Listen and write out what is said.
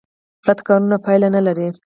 بد کارونه پایله نلري